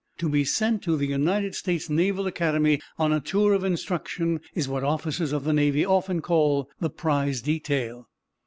To be sent to the United States Naval Academy on a tour of instruction is what officers of the Navy often call "the prize detail."